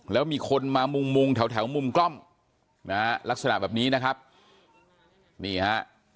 แล้วมีคนมามุงมุงแถวแถวมุมกล้องนะฮะลักษณะแบบนี้นะครับนี่ฮะ